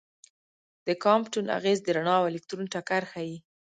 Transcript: د کامپټون اغېز د رڼا او الکترون ټکر ښيي.